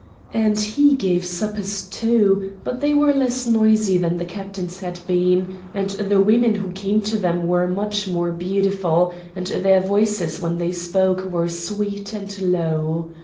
And he gave suppers too, but they were less noisy than the Captain's had been, and the women who came to them were much more beautiful, and their voices when they spoke were sweet and low.